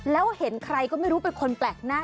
แล้วเห็นใครก็ไม่รู้เป็นคนแปลกหน้า